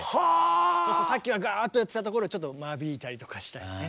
さっきはガーッとやってたところをちょっと間引いたりとかしちゃってね。